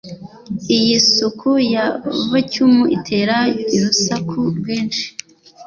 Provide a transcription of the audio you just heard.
Iyi suku ya vacuum itera urusaku rwinshi.